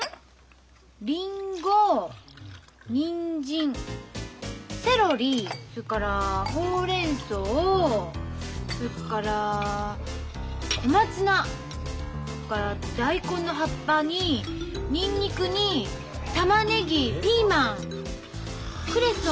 りんごにんじんセロリそれからホウレンソウそれから小松菜それから大根の葉っぱにニンニクにタマネギピーマンクレソン。